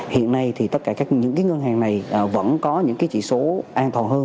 hiện nay thì tất cả những cái ngân hàng này vẫn có những cái chỉ số an toàn hơn